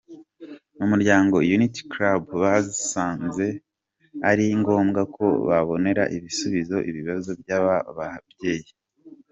Umuryango Unity Club basanze ari ngombwa ko babonera ibisubizo ibibazo by’aba babyeyi.